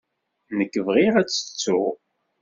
Nekk bɣiɣ ad tt-ttuɣ.